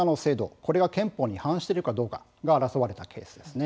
これが憲法に違反しているかどうかが争われたケースです。